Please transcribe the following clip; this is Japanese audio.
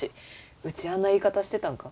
ウチあんな言い方してたんか？